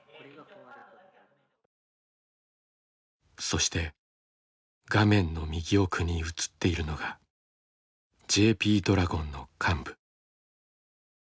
そして画面の右奥に映っているのがＪＰドラゴンの幹部。